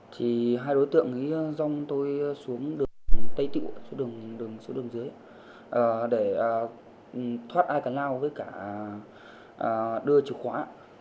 thì hai đối tượng dòng tôi xuống đường tây tựu xuống đường dưới để thoát ai cả nào với cả đưa chìa khóa